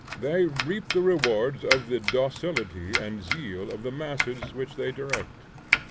They reap the rewards of the docility and zeal of the masses which they direct.